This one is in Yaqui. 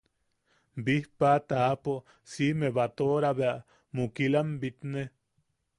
Bijpaa taʼapo siʼime batoʼora bea mukilam bitne.